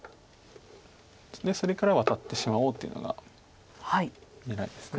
それからワタってしまおうというのが狙いです。